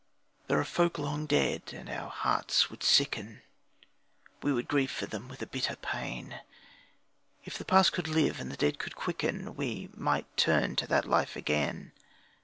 There are folk long dead, and our hearts would sicken We would grieve for them with a bitter pain, If the past could live and the dead could quicken, We then might turn to that life again.